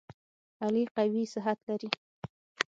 علي قوي صحت لري.